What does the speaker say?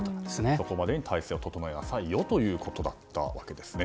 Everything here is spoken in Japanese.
そこまでに体制を整えなさいよということだったんですね。